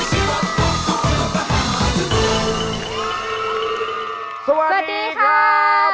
สวัสดีครับ